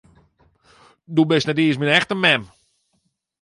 Do bist net iens myn echte mem!